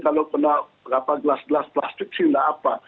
kalau kena gelas gelas plastik sih tidak apa